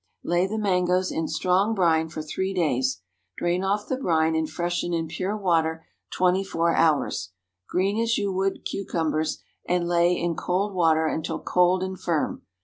Lay the mangoes in strong brine for three days. Drain off the brine, and freshen in pure water twenty four hours. Green as you would cucumbers, and lay in cold water until cold and firm.